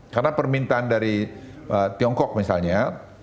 karena permintaan dari tiongkok misalnya